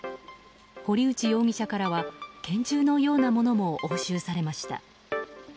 堀内容疑者からは拳銃のようなものも押収されました。